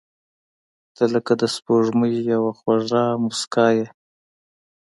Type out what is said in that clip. • ته لکه د سپوږمۍ یوه خواږه موسکا یې.